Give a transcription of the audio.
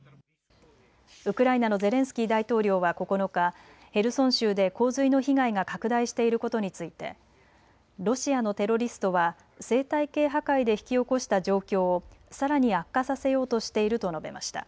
ウクライナのゼレンスキー大統領は９日、ヘルソン州で洪水の被害が拡大していることについてロシアのテロリストは生態系破壊で引き起こした状況をさらに悪化させようとしていると述べました。